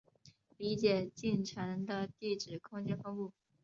理解进程的地址空间分布